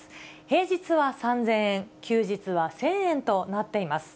平日は３０００円、休日は１０００円となっています。